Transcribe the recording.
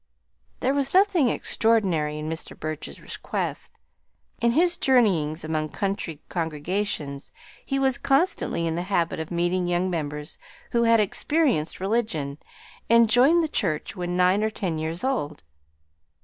There was nothing extraordinary in Mr. Burch's request. In his journeyings among country congregations he was constantly in the habit of meeting young members who had "experienced religion" and joined the church when nine or ten years old.